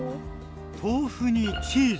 豆腐にチーズ！